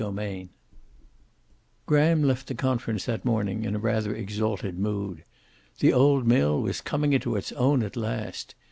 CHAPTER IV Graham left the conference that morning in a rather exalted mood. The old mill was coming into its own at last.